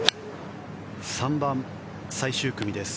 ３番、最終組です。